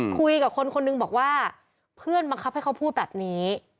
คุยกับคนคนหนึ่งบอกว่าเพื่อนบังคับให้เขาพูดแบบนี้